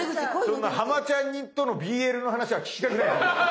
そんなハマちゃん似とのＢＬの話は聞きたくないです僕。